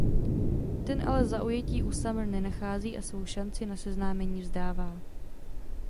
Ten ale zaujetí u Summer nenachází a svou šanci na seznámení vzdává.